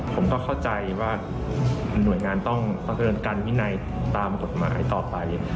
ผมก็เข้าใจว่าหน่วยงานต้องประเมินการวินัยตามกฎหมายต่อไป